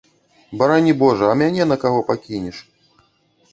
Барані божа, а мяне на каго пакінеш?